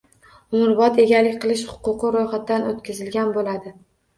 Umrbod egalik qilish huquqi roʼyxatdan oʼtkazilgan boʼladi